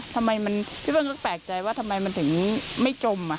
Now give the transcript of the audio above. ทำไมพี่เบิ้ลก็แปลกใจว่าทำไมมันถึงไม่จม